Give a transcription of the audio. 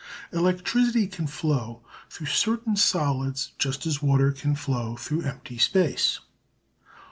Electricity can flow through certain solids just as water can flow through empty space.